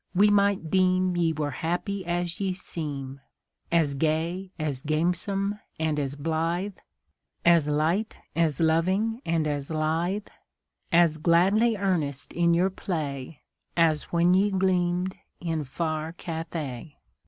we might deem Ye were happy as ye seem As gay, as gamesome, and as blithe, As light, as loving, and as lithe, As gladly earnest in your play, As when ye gleamed in far Cathay.